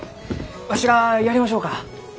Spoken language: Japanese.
わしがやりましょうか？